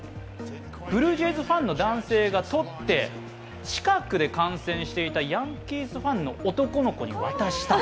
ブルージェイズファンの男性がとって近くで観戦していたヤンキースファンの男の子に渡した。